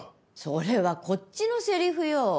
それはこっちのセリフよ。